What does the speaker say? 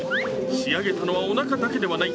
仕上げたのは、おなかだけではない。